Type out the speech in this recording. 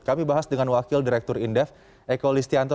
kami bahas dengan wakil direktur indef eko listianto